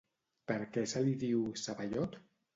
Per què se li diu Ceballot?